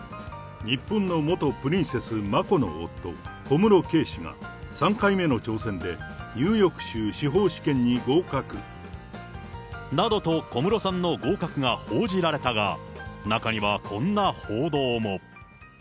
日本の元プリンセス・マコの夫、小室圭氏が３回目の挑戦で、ニューヨーク州司法試験に合格。などと小室さんの合格が報じられたが、中にはこんな報道も。